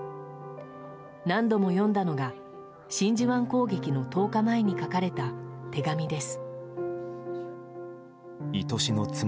何度も読んだのが真珠湾攻撃の１０日前に書かれた手紙です。